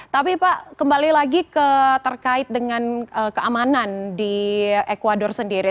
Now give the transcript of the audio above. tapi pak kembali lagi terkait dengan keamanan di ecuador sendiri